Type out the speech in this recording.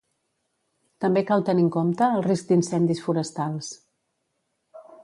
També cal tenir en compte el risc d'incendis forestals.